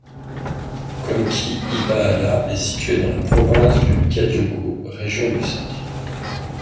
Komki-Ipaala est situé dans la province du Kadiogo, région du Centre.